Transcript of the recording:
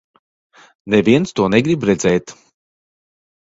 Neviens to negrib redzēt.